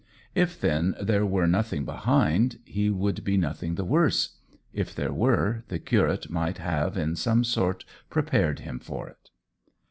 If then there were nothing behind, he would be nothing the worse; if there were, the curate might have in some sort prepared him for it.